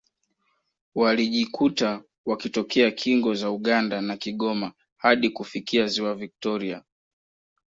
Walijikuta wakitokea kingo za Uganda na Kigoma hadi kufikia Ziwa Viktoria